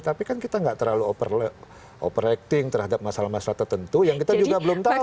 tapi kan kita nggak terlalu operating terhadap masalah masalah tertentu yang kita juga belum tahu